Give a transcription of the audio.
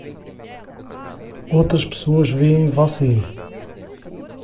Outras pessoas veem você